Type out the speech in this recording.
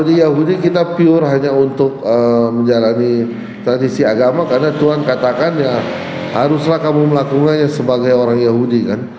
di yahudi kita pure hanya untuk menjalani tradisi agama karena tuhan katakan ya haruslah kamu melakukannya sebagai orang yahudi kan